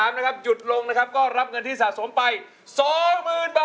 รับเงินที่สถสมไป๒หมื่นบาท